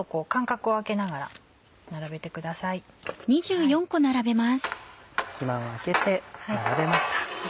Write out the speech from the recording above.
隙間を空けて並べました。